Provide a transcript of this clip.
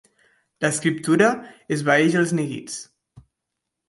L'escriptura esvaeix els neguits.